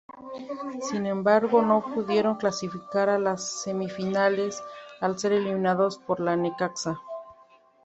Sin embargo, no pudieron clasificar a las semifinales al ser eliminados por el Necaxa.